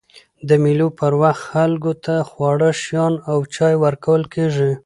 د مېلو پر وخت خلکو ته خواږه شيان او چای ورکول کېږي.